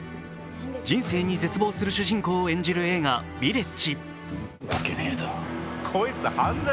人生に絶望する主人公を演じる映画「ヴィレッジ」。